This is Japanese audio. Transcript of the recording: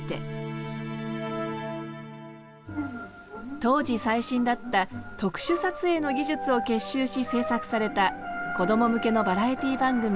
当時最新だった特殊撮影の技術を結集し制作されたこども向けのバラエティー番組